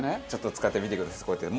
使ってみてくださいこうやって。